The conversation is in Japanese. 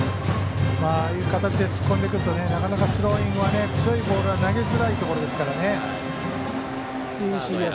ああいう形で突っ込んでくると、なかなかスローイングは強いボールが投げづらいところですからね。